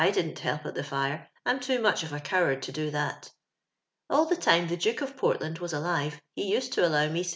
1 didn't help at the lire ; I'm too muoh of a coward tn do th. if. ••All the time the Duke of Portland wns alive he used to allow me 7*.